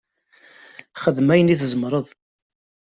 Xdem ayen i tzemreḍ.